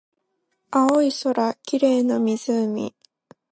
青い空、綺麗な湖